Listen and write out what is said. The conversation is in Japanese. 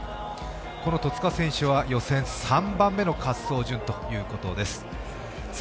この戸塚選手は、予選３番目の滑走順ということです。